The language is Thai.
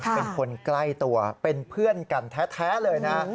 เป็นคนใกล้ตัวเป็นเพื่อนกันแท้เลยนะ